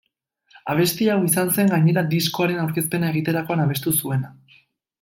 Abesti hau izan zen gainera diskoaren aurkezpena egiterakoan abestu zuena.